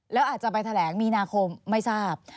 แล้วอาจจะไปแถลงมีนาคมไม่ทราบ